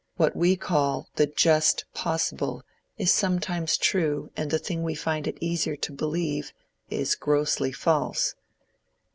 What we call the 'just possible' is sometimes true and the thing we find it easier to believe is grossly false.